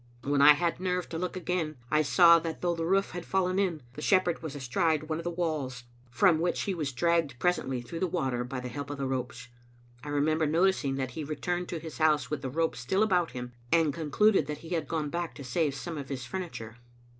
When I had nerve to look again, I saw that though the roof had fallen in, the shepherd was astride one of the walls, from which he was dragged presently through the water by the help of the ropes. I remember noticing that he returned to his house with the rope still about him, and concluded that he had gone back to save some of his furniture.